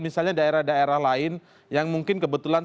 misalnya daerah daerah lain yang mungkin kebetulan